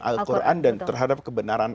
al quran dan terhadap kebenaran